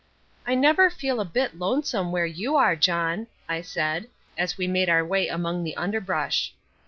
"I never feel a bit lonesome where you are, John," I said, as we made our way among the underbrush.